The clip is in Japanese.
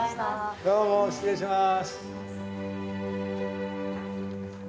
どうも失礼します。